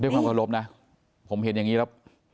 ด้วยความประโลภนะผมเห็นอย่างนี้แล้ว